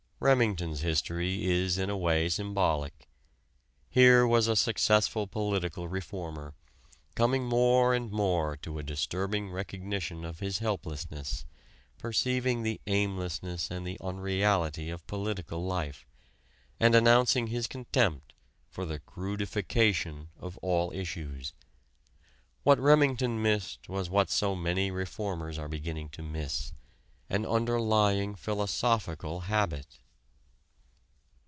Remington's history is in a way symbolic. Here was a successful political reformer, coming more and more to a disturbing recognition of his helplessness, perceiving the aimlessness and the unreality of political life, and announcing his contempt for the "crudification" of all issues. What Remington missed was what so many reformers are beginning to miss an underlying philosophical habit.